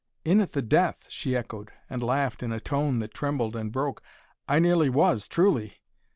"In at the death!" she echoed, and laughed in a tone that trembled and broke. "I nearly was, truly.